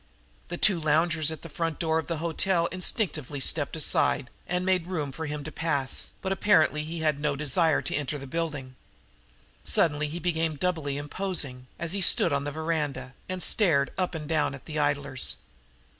The two loungers at the door of the hotel instinctively stepped aside and made room for him to pass, but apparently he had no desire to enter the building. Suddenly he became doubly imposing, as he stood on the veranda and stared up and down at the idlers.